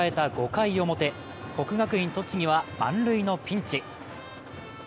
５回表、国学院栃木は満塁のピンチ。